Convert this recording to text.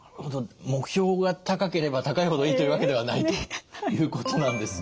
目標が高ければ高いほどいいというわけではないということなんですね。